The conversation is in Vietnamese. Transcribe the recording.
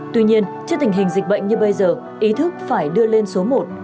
tuy nhiên trước tình hình dịch bệnh như bây giờ ý thức phải đưa lên số một